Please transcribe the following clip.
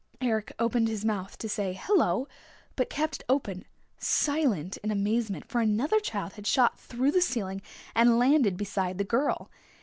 Eric opened his mouth to say, "Hello," but kept it open, silent in amazement, for another child had shot through the ceiling and landed beside the girl.